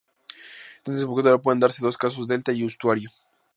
En esta desembocadura pueden darse dos casos: delta y estuario.